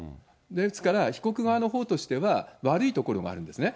ですから被告側のほうとしては、悪いところもあるんですね。